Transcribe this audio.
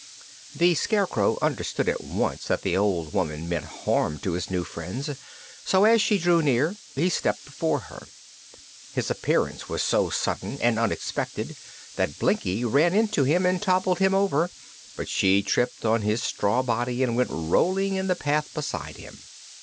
The Scarecrow understood at once that the old woman meant harm to his new friends, so as she drew near he stepped before her. His appearance was so sudden and unexpected that Blinkie ran into him and toppled him over, but she tripped on his straw body and went rolling in the path beside him.